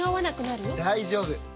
大丈夫！